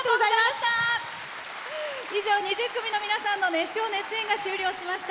以上２０組の皆さんの熱唱・熱演が終了しました。